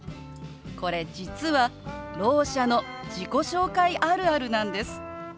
これ実はろう者の自己紹介あるあるなんです。